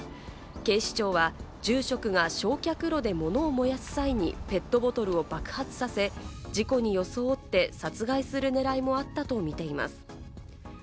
警視庁は住職が焼却炉で物を燃やす際にペットボトルを爆発させ、事故に装って殺害する狙いもあったとみています。